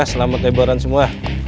selamat lebaran semua